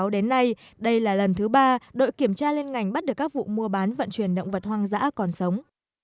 đến nay đây là lần thứ ba đội kiểm tra liên ngành bắt được các vụ mua bán vận chuyển động vật hoang dã còn sống